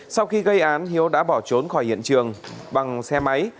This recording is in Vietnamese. sau khi gây án hiếu đã bỏ trốn khỏi hiện trường bằng xe máy